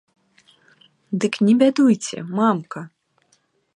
Дык не бядуйце, мамка!